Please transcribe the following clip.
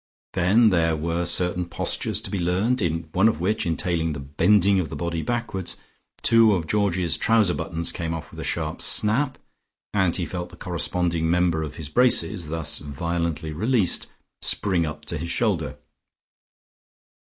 Then there were certain postures to be learned, in one of which, entailing the bending of the body backwards, two of Georgie's trouser buttons came off with a sharp snap and he felt the corresponding member of his braces, thus violently released, spring up to his shoulder.